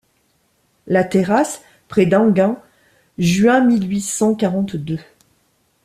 La Terrasse, près d’Enghien, juin mille huit cent quarante-deux.